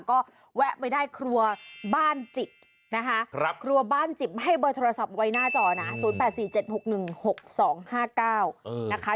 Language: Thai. ก็แวะไปได้ครัวบ้านจิบนะคะครัวบ้านจิบให้เบอร์โทรศัพท์ไว้หน้าจอนะ๐๘๔๗๖๑๖๒๕๙นะคะ